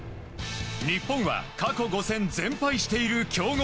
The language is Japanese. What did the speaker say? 日本は過去５戦全敗している強豪。